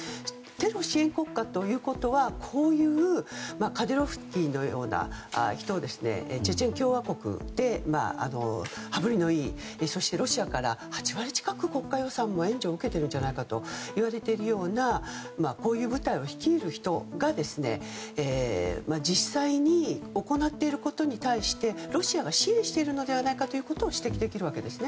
テロ支援国家ということはこういうカディロフツィのような人たちチェチェン共和国で羽振りのいいそしてロシアから８割近く国家予算の援助を受けているんじゃないかといわれているようなこういう部隊を率いる人が実際に行っていることに対してロシアが支援しているのではないかと指摘できるわけです。